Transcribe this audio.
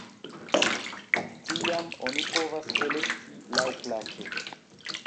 Tiam oni povas elekti laŭplaĉe.